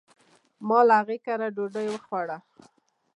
ما د هغي کره ډوډي وخوړه .